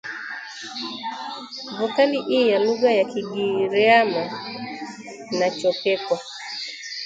Vokali "i" ya lugha ya Kigiryama inachopekwa